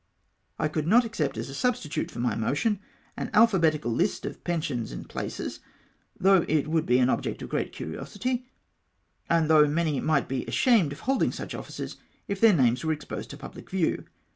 I could not accept as a substitute for my motion an MV MOTION EVADED. 2:5 alphabetical list of pensions and places, though it would be an object of great curiosity, and though many miaht be ashamed of holding; such offices if their names were exposed to pubhc view.